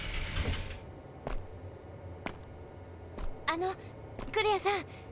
あのクレアさん。